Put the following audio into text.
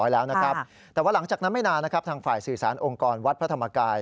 แล้วนะครับแต่ว่าหลังจากนั้นไม่นานนะครับทางฝ่ายสื่อสารองค์กรวัดพระธรรมกาย